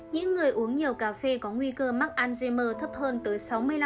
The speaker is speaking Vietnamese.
những người uống nhiều cà phê có nguy cơ mắc alzheimer thấp hơn tới sáu mươi năm